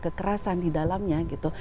ke kerasan di dalamnya gitu